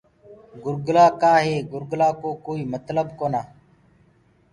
گُرگلآ ڪآ هي گُرگلآ ڪو ڪوئيٚ متلب ڪونآ۔